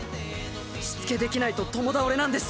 しつけできないと共倒れなんです。